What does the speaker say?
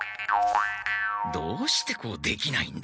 どうしてこうできないんだ。